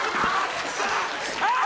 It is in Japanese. あっ！